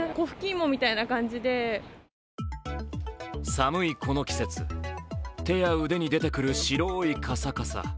寒いこの季節、手や腕に出てくる白いかさかさ。